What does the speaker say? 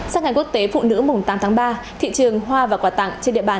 sáng ngày quốc tế phụ nữ mùng tám tháng ba thị trường hoa và quà tặng trên địa bàn